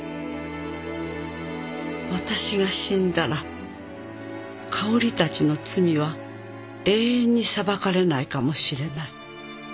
「私が死んだら香織たちの罪は永遠に裁かれないかもしれない」